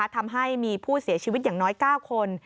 ทำให้มีผู้เสียชีวิตอย่างน้อย๙คน